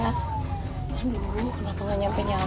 aduh kenapa gak nyampe nyampe